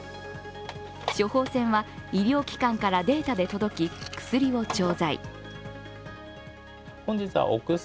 処方箋は医療機関からデータで届き薬を調剤。